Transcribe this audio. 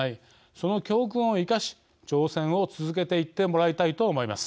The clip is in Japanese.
その教訓を生かし挑戦を続けていってもらいたいと思います。